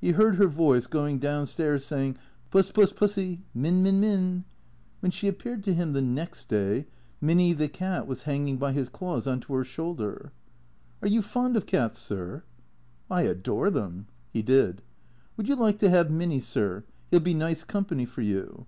He heard her voice going down stairs saying, " Puss — Puss — Pussy — Min — Min — Min." When she appeared to him the next day, Minny, the cat, was hanging by his claws on to her shoulder. " Are you fond of cats, sir ?" "I adore them." (He did.) " Would you like to have Minny, sir ? He '11 be nice company for you."